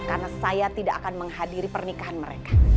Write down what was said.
karena saya tidak akan menghadiri pernikahan mereka